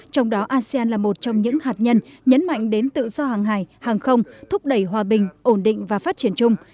trong đó asean là một trong những hạt nhân nhấn mạnh đến tự do hàng hải hàng không thúc đẩy hòa bình ổn định và phát triển chung